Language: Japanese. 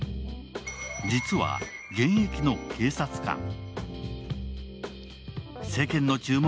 実は、現役の警察官。